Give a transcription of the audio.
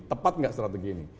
tepat nggak strategi ini